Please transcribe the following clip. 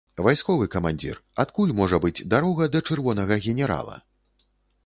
Вайсковы камандзір, адкуль можа быць дарога да чырвонага генерала?